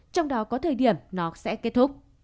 trong đó có thời điểm nó sẽ kết thúc